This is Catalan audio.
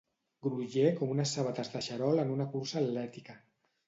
Groller com unes sabates de xarol en una cursa atlètica.